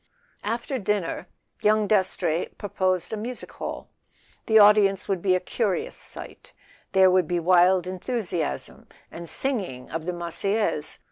After dinner young Dastrey proposed a music hall. The audience would be a curious sight: there would be wild enthusiasm, and singing of the Marseillaise.